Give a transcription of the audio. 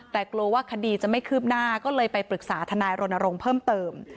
แต่กลัวว่าคดีจะไม่คืบหน้าก็เลยไปปรึกษาทนายรณรงค์เพิ่มเติม